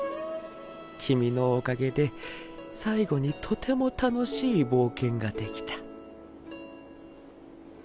君のおかげで最後にとても楽しい冒険ができた。